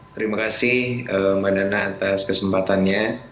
terima kasih mbak nana atas kesempatannya